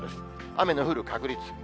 雨の降る確率。